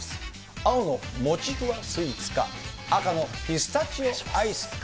青のもちふわスイーツか、赤のピスタチオアイスか。